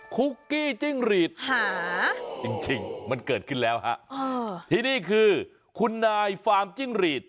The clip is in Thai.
คุกกี้จิ้งหรีดหาจริงมันเกิดขึ้นแล้วฮะที่นี่คือคุณนายฟาร์มจิ้งหรีด